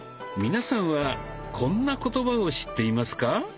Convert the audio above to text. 皆さんはこんな言葉を知っていますか？